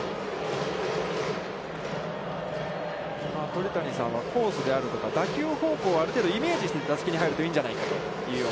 鳥谷さんはコースであるとか、打球方向をある程度、イメージして打席に入るといいんじゃないかと。